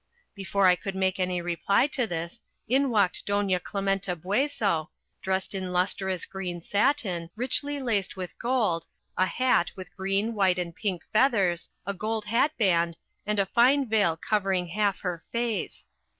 Before I could make any reply to this, in walked Doña Clementa Bueso, dressed in lustrous green satin, richly laced with gold, a hat with green, white, and pink feathers, a gold hat band, and a fine veil covering half her face.